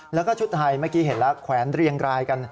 แล้วก็ชุดไทยเมื่อกี้เห็นแล้วแขวนเรียงรายกัน